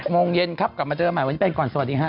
โมงเย็นครับกลับมาเจอใหม่วันนี้เป็นก่อนสวัสดีฮะ